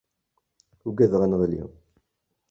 Uggadeɣ ad nɣelli.